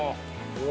うわ！